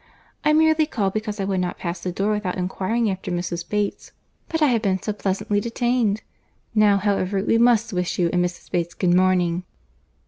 I merely called, because I would not pass the door without inquiring after Mrs. Bates; but I have been so pleasantly detained! Now, however, we must wish you and Mrs. Bates good morning."